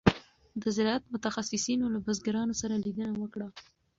د زراعت متخصصینو له بزګرانو سره لیدنه وکړه.